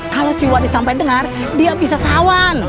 kalau si wadi sampai dengar dia bisa sawan